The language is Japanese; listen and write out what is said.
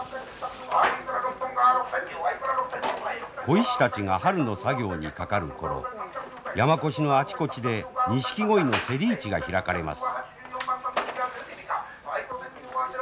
鯉師たちが春の作業にかかる頃山古志のあちこちでニシキゴイのセリ市が開かれます。